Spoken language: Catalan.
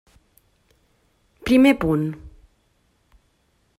Primer punt.